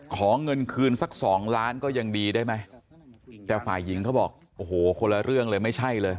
ขอเงินคืนสักสองล้านก็ยังดีได้ไหมแต่ฝ่ายหญิงเขาบอกโอ้โหคนละเรื่องเลยไม่ใช่เลย